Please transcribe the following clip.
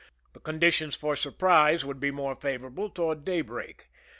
The conditions for surprise would be more favorable toward daybreak.